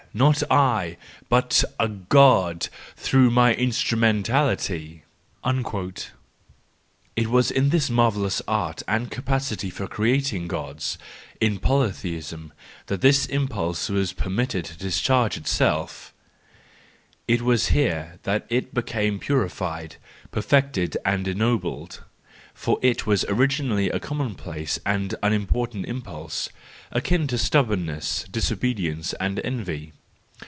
not I ! but a God> through my instrumentality! " It was in the mar¬ vellous art and capacity for creating Gods—in poly¬ theism—that this impulse was permitted todischarge itself, it was here that it became purified, perfected, and ennobled; for it was originally a commonplace and unimportant impulse, akin to stubbornness, dis¬ obedience and envy.